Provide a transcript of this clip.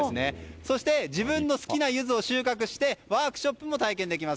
そして自分の好きなユズを収穫してワークショップの体験できます。